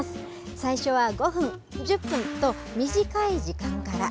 最初は５分、１０分と短い時間から。